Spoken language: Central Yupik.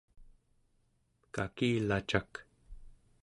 kakilacak